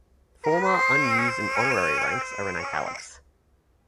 Former, unused and honorary ranks are in italics.